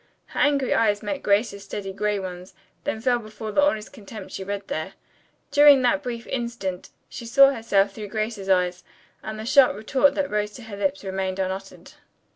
Her angry eyes met Grace's steady gray ones, then fell before the honest contempt she read there. During that brief instant she saw herself through Grace's eyes and the sharp retort that rose to her lips remained unuttered.